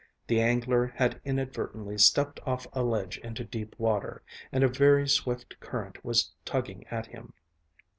The angler had inadvertently stepped off a ledge into deep water, and a very swift current was tugging at him.